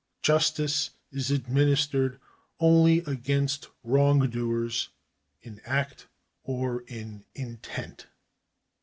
Justice is administered only against wrongdoers, in act or in intent.